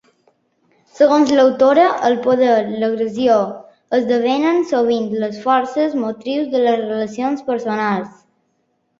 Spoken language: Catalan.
Segons l'autora, el poder i l'agressió esdevenen sovint les forces motrius de les relacions personals.